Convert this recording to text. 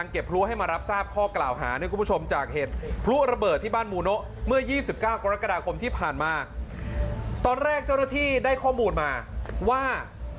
๖กริราชกราคมที่ผ่านมาตอนแรกเจ้าหน้าที่ได้ข้อมูลมาว่า